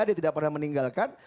dia tidak pernah meninggalkan